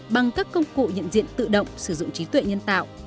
bằng các công cụ nhận diện tự động sử dụng trí tuệ nhân tạo